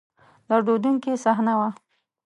دردوونکې صحنه وه.